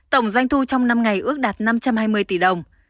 tổng doanh thu trong năm ngày ước đạt năm trăm hai mươi tỷ đồng